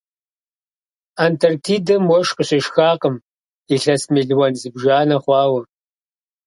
Антарктидэм уэшх къыщешхакъым илъэс мелуан зыбжанэ хъуауэ.